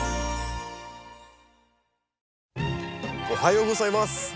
おはようございます。